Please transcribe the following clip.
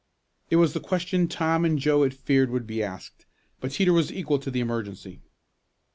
It was the question Tom and Joe had feared would be asked. But Teeter was equal to the emergency.